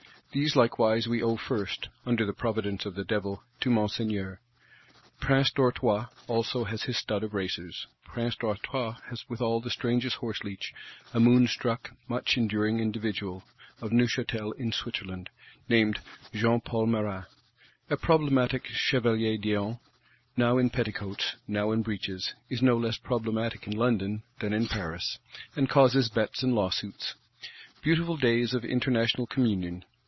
These likewise we owe first (under the Providence of the Devil) to Monseigneur. Prince d'Artois also has his stud of racers. Prince d'Artois has withal the strangest horseleech: a moonstruck, much enduring individual, of Neuchâtel in Switzerland,—named Jean Paul Marat. A problematic Chevalier d'Eon, now in petticoats, now in breeches, is no less problematic in London than in Paris; and causes bets and lawsuits. Beautiful days of international communion!